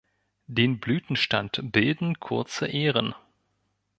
Den Blütenstand bilden kurze Ähren.